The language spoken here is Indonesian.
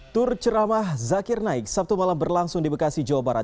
tur ceramah zakir naik sabtu malam berlangsung di bekasi jawa barat